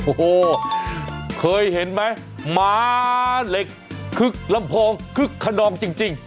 โอ้โหเคยเห็นไหมหมาเหล็กคึกลำโพงคึกขนองจริง